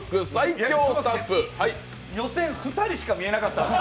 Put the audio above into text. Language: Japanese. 予選、２人しか見えなかったんです。